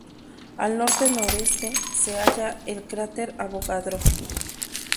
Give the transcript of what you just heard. Al norte-noreste se halla el cráter Avogadro.